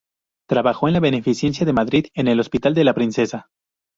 Trabajó en la Beneficencia de Madrid, en el Hospital de la Princesa.